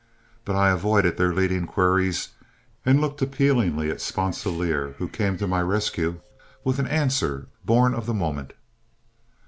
But I avoided their leading queries, and looked appealingly at Sponsilier, who came to my rescue with an answer born of the moment.